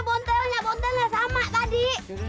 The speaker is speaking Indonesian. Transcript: bontelnya bontelnya sama tadi